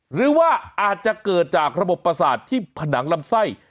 หรือว่าอาจจะเกิดจากระบบประสาทที่ผนังลำไส้